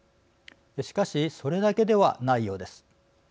しかしそれだけではないようです。